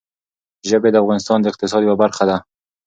ژبې د افغانستان د اقتصاد یوه برخه ده.